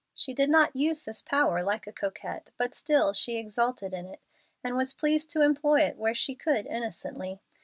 She did not use this power like a coquette, but still she exulted in it, and was pleased to employ it where she could innocently.